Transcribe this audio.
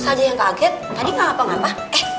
ustazah yang kaget tadi enggak apa apa